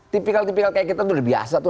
tipikal tipikal kayak kita udah biasa tuh